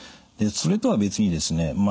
でそれとは別にですね